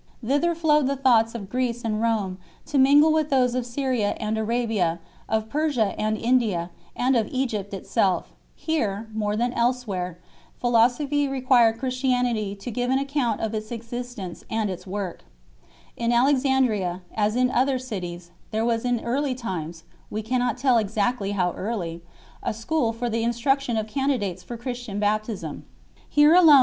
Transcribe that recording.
TRTther flowed the thoughts of Greece and Home, to mingle with those of Syria and Arabia, of Persia and India, and of Egypt itself. Here, more than else where, philosophy required Christianity to give an account of its existence and its work. In Alexandria, as in other cities, there was in early times we cannot tell exactly how early a school for the instruction of candidates for Christian baptism. Here 1 Apol. ii. 12. a Dial. c. 3. 3 Euseb. II. E. iv. 11, i; Dial. c. 1. * Apol. ii. 8, 10. 5 Dial.